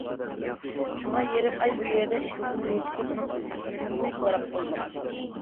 شۇڭا يېرىم ئاي بۇ يەردە ئىشلىسىمۇ ھېچكىم ئۇنىڭ ئىسمىنىمۇ سوراپ قويمىغان.